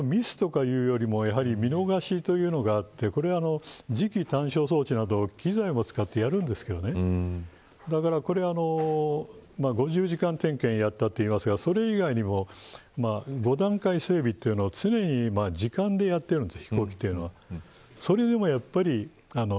これは点検のミスとかいうよりも見逃しというのがあって磁気探傷装置など機材を使ってやるんですがこれは５０時間点検をやったといいますがそれ以外にも５段階整備というのを常に時間でやっているんです。